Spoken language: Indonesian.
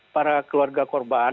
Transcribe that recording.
para keluarga korban